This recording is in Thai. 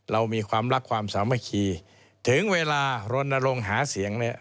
เรามีความรักความสามารถขี่ถึงเวลาโรนโรงหาเสียงเนี้ย